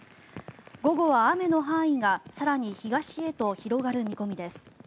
午後は雨の範囲が更に東へと広がる見込みです。